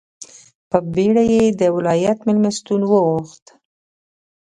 په بېړه یې د ولایت مېلمستون وغوښت.